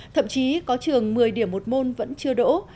thậm chí có trường một mươi điểm một môn vẫn chưa đỗ